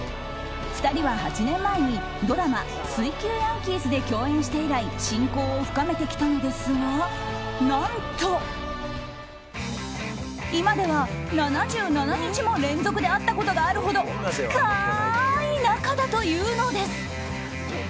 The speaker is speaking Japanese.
２人は８年前にドラマ「水球ヤンキース」で共演して以来親交を深めてきたのですが、何と今では７７日も連続で会ったことがあるほど深い仲だというのです。